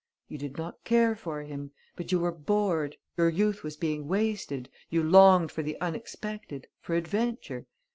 You did not care for him. But you were bored, your youth was being wasted, you longed for the unexpected, for adventure